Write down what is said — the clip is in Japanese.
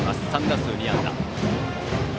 ３打数２安打。